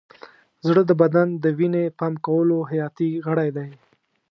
زړه د بدن د وینې پمپ کولو حیاتي غړی دی.